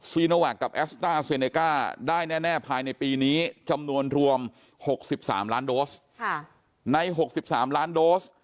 สวีนวัคกับแอสต้าเซเนก้าได้แน่ภายในปีนี้จำนวนรวม๖๓ล้านโดส